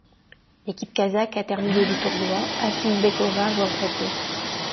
L'équipe kazakhe a terminé du tournoi, Altynbekova jouant très peu.